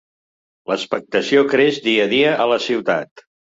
L'expectació creix dia a dia a la ciutat.